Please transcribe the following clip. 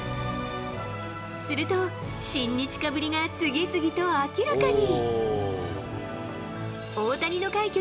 すると、親日家ぶりが次々と明らかに。